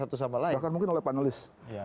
satu sama lain bahkan mungkin oleh panelis